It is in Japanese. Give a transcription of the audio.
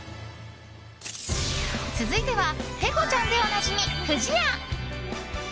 続いては、ペコちゃんでおなじみ不二家。